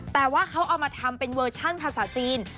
แต่ว่าเขาเอามาทำเป็นเวอร์ชั่นภาษาจีน